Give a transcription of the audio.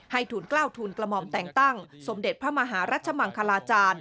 ทุนกล้าวทูลกระหม่อมแต่งตั้งสมเด็จพระมหารัชมังคลาจารย์